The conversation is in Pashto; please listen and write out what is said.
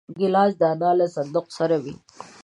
ګیلاس د انا له صندوق سره وي.